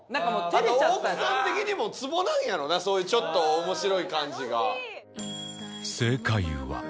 奥さん的にもツボなんやろうなそういうちょっと面白い感じが。